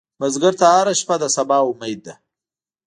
بزګر ته هره شپه د سبا امید ده